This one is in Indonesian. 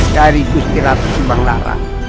dari kuciratu subanglarang